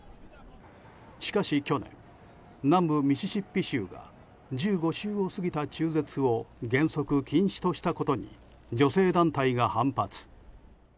しかし去年、南部ミシシッピ州が１５週を過ぎた中絶を原則禁止としたことに女性団体が反発。